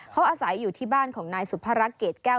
เขาอาศัยอยู่ที่บ้านของนายสุภารักษ์เกรดแก้ว